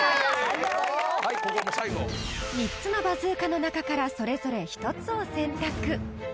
［３つのバズーカの中からそれぞれ１つを選択］